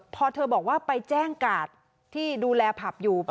พอเธอบอกว่าไปแจ้งกาดที่ดูแลผับอยู่